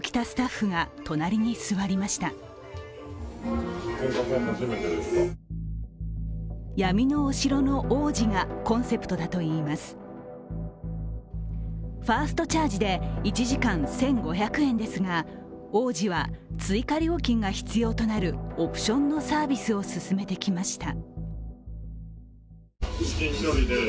ファーストチャージで１時間１５００円ですが王子は追加料金が必要となるオプションのサービスを勧めてきました。